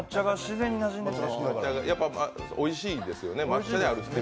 やっぱおいしいですよね。